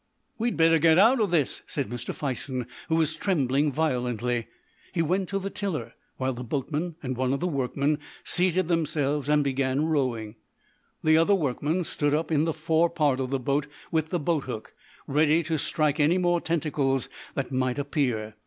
"We'd better get out of this," said Mr. Fison, who was trembling violently. He went to the tiller, while the boatman and one of the workmen seated themselves and began rowing. The other workman stood up in the fore part of the boat, with the boathook, ready to strike any more tentacles that might appear.